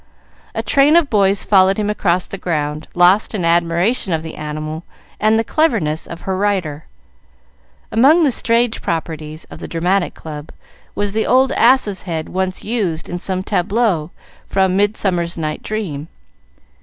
A train of boys followed him across the ground, lost in admiration of the animal and the cleverness of her rider. Among the stage properties of the Dramatic Club was the old ass's head once used in some tableaux from "Midsummer Night's Dream."